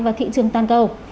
vào thị trường toàn cầu